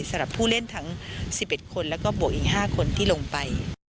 สำหรับผู้เล่นทั้ง๑๑คนแล้วก็บวกอีก๕คนที่ลงไป